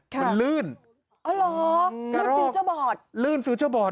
ค่ะมันลื่นอ๋อหรอลื่นฟิวเจอร์บอร์ด